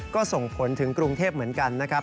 ก็ส่งผลถึงกรุงเทพเหมือนกันนะครับ